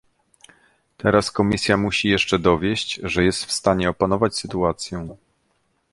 Teraz Komisja musi jeszcze dowieść, że jest w stanie opanować sytuację